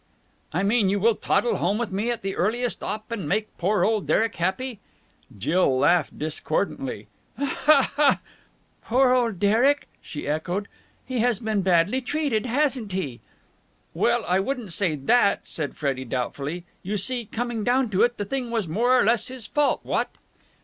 "I mean you will toddle home with me at the earliest opp. and make poor old Derek happy?" Jill laughed discordantly. "Poor old Derek!" she echoed. "He has been badly treated, hasn't he?" "Well, I wouldn't say that," said Freddie doubtfully. "You see, coming down to it, the thing was more or less his fault, what?"